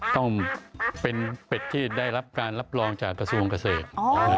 ต้องเป็นเป็ดที่ได้รับการรับรองจากกระทรวงเกษตร